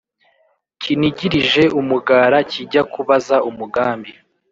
Kinigirije umugara kijya kubaza umugambi